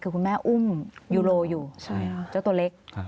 คือคุณแม่อุ้มยูโรอยู่เจ้าตัวเล็ก